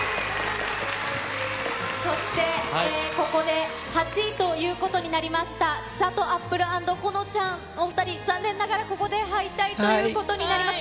そして、ここで８位ということになりました、ちさとあっぷる＆このちゃん、お２人、残念ながらここで敗退ということになります。